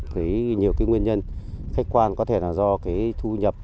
thấy nhiều cái nguyên nhân khách quan có thể là do cái thu nhập